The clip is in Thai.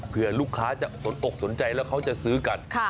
เพื่อลูกค้าจะสนอกสนใจแล้วเขาจะซื้อกัน